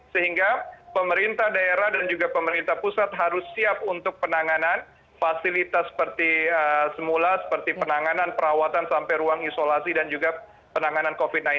sehingga pemerintah daerah dan juga pemerintah pusat harus siap untuk penanganan fasilitas seperti semula seperti penanganan perawatan sampai ruang isolasi dan juga penanganan covid sembilan belas